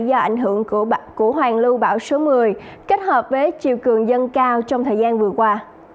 do ảnh hưởng của hoàn lưu bão số một mươi kết hợp với chiều cường dân cao trong thời gian vừa qua